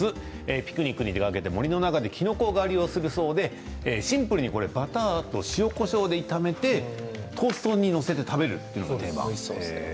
ピクニックに出かけて森の中できのこ狩りをするそうでシンプルにバターと塩、こしょうで炒めてトーストに載せて食べるというのが定番。